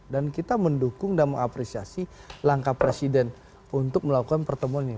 kita mendukung dan mengapresiasi langkah presiden untuk melakukan pertemuan ini